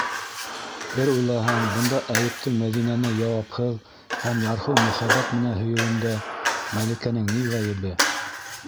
Бер уйлаһаң, бында, Әйүптең Мәҙинәне яуапһыҙ һәм ярһыу мөхәббәт менән һөйөүендә, Мәликәнең ни ғәйебе?